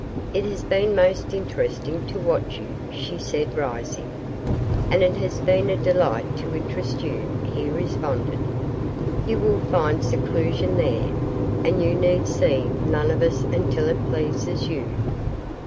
"It has been most interesting to watch you," she said, rising. "And it has been a delight to interest you," he responded. "You will find seclusion there, and you need see none of us until it pleases you."